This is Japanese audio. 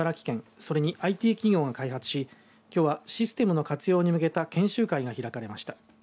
それにＩＴ企業が開発しきょうはシステムの開発に向けた研修会が行われました。